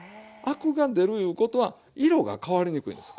アクが出るいうことは色が変わりにくいんです